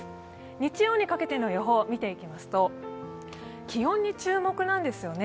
日曜にかけての予報を見ていきますと、気温に注目なんですよね。